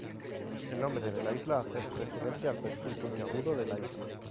El nombre de la isla hace referencia al perfil puntiagudo de la isla.